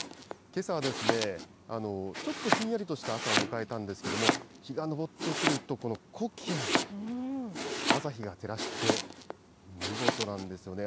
けさはちょっとひんやりとした朝を迎えたんですけれども、日が昇ってくるとコキア、朝日が照らして見事なんですよね。